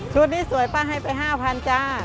ชุดนี้สวยป้าให้ไป๕๐๐๐บาทจ้า